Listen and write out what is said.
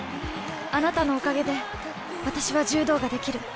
あなたのおかげで私は柔道ができる。